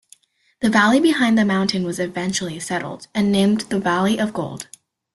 The valley behind the Mountain was eventually settled, and named the Valley of Gold.